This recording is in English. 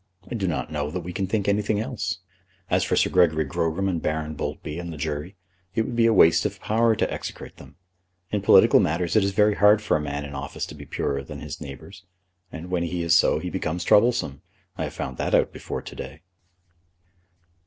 I do not know that we can think anything else. As for Sir Gregory Grogram and Baron Boultby and the jury, it would be waste of power to execrate them. In political matters it is very hard for a man in office to be purer than his neighbours, and, when he is so, he becomes troublesome. I have found that out before to day."